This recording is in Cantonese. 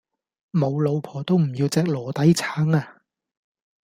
無老婆都唔要隻籮底橙呀